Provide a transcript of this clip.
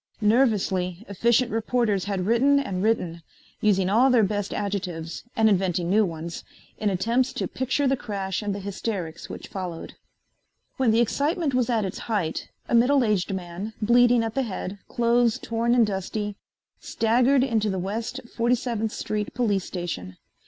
Nervously, efficient reporters had written and written, using all their best adjectives and inventing new ones in attempts to picture the crash and the hysterics which followed. When the excitement was at its height a middle aged man, bleeding at the head, clothes torn and dusty, staggered into the West 47th street police station.